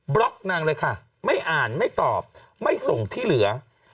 ล็อกนางเลยค่ะไม่อ่านไม่ตอบไม่ส่งที่เหลือ